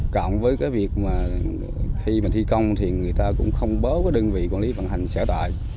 cộng với việc khi thi công người ta cũng không bớt đơn vị quản lý vận hành xã tội